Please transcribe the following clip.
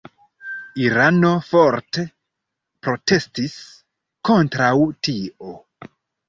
Irano forte protestis kontraŭ tio.